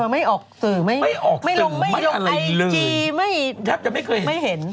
ไม่ออกสื่อไม่ลงไอจีย์ไม่เห็น